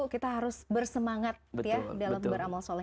kita harus bersemangat ya dalam beramal soleh